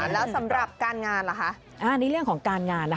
แล้วสำหรับการงานล่ะคะ